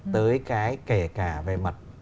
tới cái kể cả về mặt